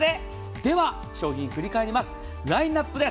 では、商品を振り返ります。